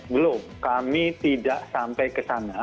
belum kami tidak sampai ke sana